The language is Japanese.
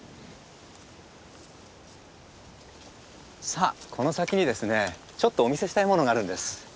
さあこの先にですねちょっとお見せしたいものがあるんです。